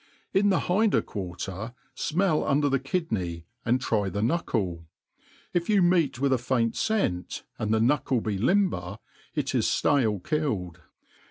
In the i^inder quaner^ 4ineU un^cr the kidney, and try tlie knuckle; if you meet with a faint fceht, and the knuckle oe limber, it is flale killed.